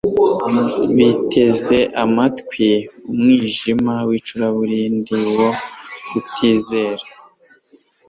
biteza abantu umwijima w'icuraburindi wo kutizera.